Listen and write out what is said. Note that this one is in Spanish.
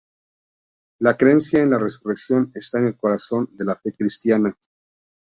La creencia en la resurrección está en el corazón de la fe cristiana.